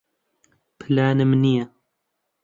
پلانم نییە.